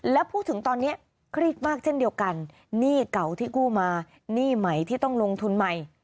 และพูดถึงตอนนี้เครียดมากเช่นเดียวกันหนี้เก่าที่กู้มาหนี้ใหม่ที่ต้องลงทุนใหม่